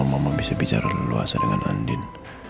biar gue sama mama bisa bicara luas dengan andin